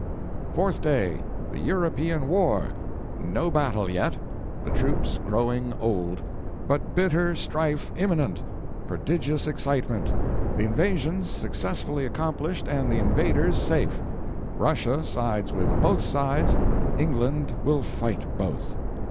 ..................... Fourth Day THE EUROPEAN WAR! NO BATTLE YET!! THE TROOPS GROWING OLD! BUT BITTER STRIFE IMMINENT! PRODIGIOUS EXCITEMENT! THE INVASIONS SUCCESSFULLY ACCOMPLISHED AND THE INVADERS SAFE! RUSSIA SIDES WITH BOTH SIDES ENGLAND WILL FIGHT BOTH!